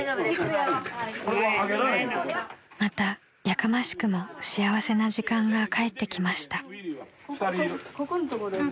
［またやかましくも幸せな時間が返ってきました］